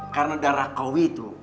karena darah kau itu